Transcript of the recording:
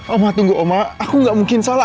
omah tunggu omah aku gak mungkin salah